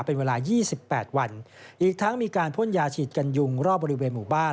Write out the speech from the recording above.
เป็นเวลา๒๘วันอีกทั้งมีการพ่นยาฉีดกันยุงรอบบริเวณหมู่บ้าน